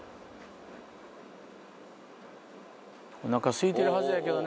お腹すいてるはずやけどね。